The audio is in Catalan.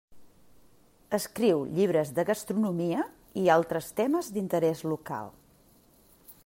Escriu llibres de gastronomia i altres temes d'interès local.